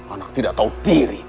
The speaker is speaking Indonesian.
anak tidak tahu diri